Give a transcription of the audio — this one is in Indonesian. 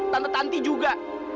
tante tanti juga